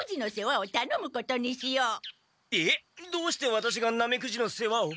えっどうしてワタシがナメクジの世話を？